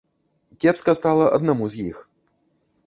Кепска стала аднаму з іх.